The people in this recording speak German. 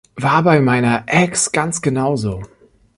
War bei meiner Ex ganz genau so.